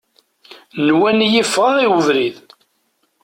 Nwan-iyi ffɣeɣ i ubrid.